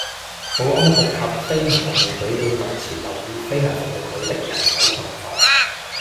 保安局及飛行服務隊會密切留意飛行服務隊的人手狀況